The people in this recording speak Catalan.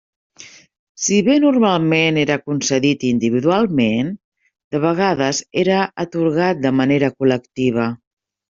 Si bé normalment era concedit individualment, de vegades era atorgat de manera col·lectiva.